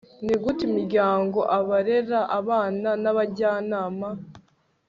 ni gute imiryango, abarera abana n' abajyanama